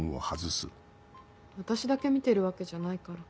私だけ見てるわけじゃないから。